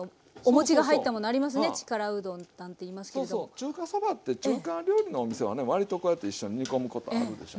中華そばって中華料理のお店はね割とこうやって一緒に煮込むことあるでしょ。